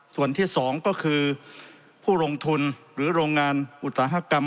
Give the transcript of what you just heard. ส่วนที่๒ก็คือผู้ลงทุนหรือโรงงานอุตสาหกรรม